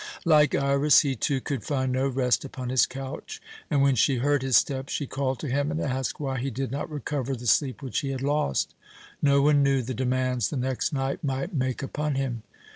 Like Iras, he, too, could find no rest upon his couch, and when she heard his step she called to him and asked why he did not recover the sleep which he had lost. No one knew the demands the next night might make upon him.